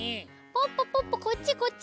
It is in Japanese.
ポッポポッポこっちこっち。